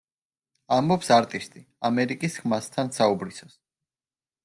ამბობს არტისტი, “ამერიკის ხმასთან“ საუბრისას.